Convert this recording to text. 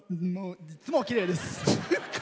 いつもきれいです。